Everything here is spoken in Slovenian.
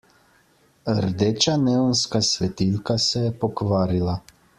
Rdeča neonska svetilka se je pokvarila.